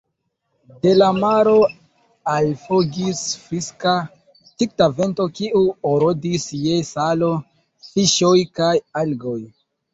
De la maro alflugis friska, tikla vento, kiu odoris je salo, fiŝoj kaj algoj.